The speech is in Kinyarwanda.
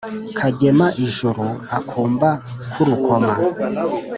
Kagema ijuru-Akumba k'urukoma.